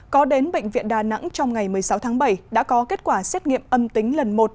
có đến bệnh viện đà nẵng trong ngày một mươi sáu tháng bảy đã có kết quả xét nghiệm âm tính lần một